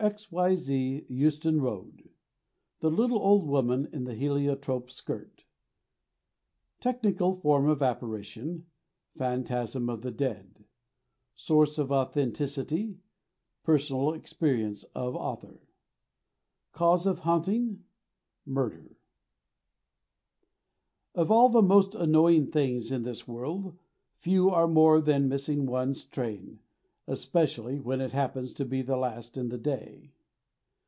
XYZ EUSTON ROAD THE LITTLE OLD WOMAN IN THE HELIOTROPE SKIRT Technical form of apparition: Phantasm of the dead Source of authenticity: Personal experience of author Cause of haunting: Murder Of all the most annoying things in this world few are more so than missing one's train, especially when it happens to be the last in the day.